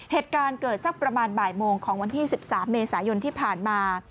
เหตุการณ์เกิดสักประมาณบ่ายโมงของวันที่๑๓เมษายนที่ผ่านมา